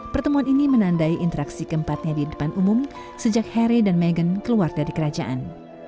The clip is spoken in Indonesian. pertemuan ini menandai interaksi keempatnya di depan umum sejak harry dan meghan keluar dari kerajaan